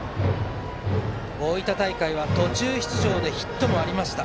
大分大会は途中出場でヒットもありました。